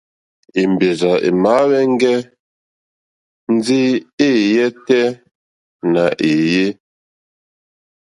Èmbèrzà èmàáhwɛ̄ŋgɛ̄ ndí èéyɛ́ tɛ́ nà èéyé.